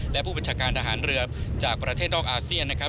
และผู้บัญชาการทหารเรือจากประเทศนอกอาเซียนนะครับ